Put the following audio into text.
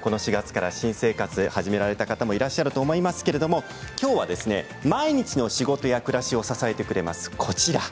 この４月から新生活始められた方もいらっしゃるかと思いますけれどもきょうは毎日の仕事や暮らしを支えてくれます